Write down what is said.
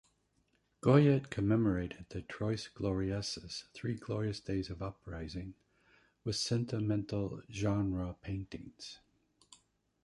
Goyet commemorated the "Trois Glorieuses" (three glorious days of uprising) with sentimental genre paintings.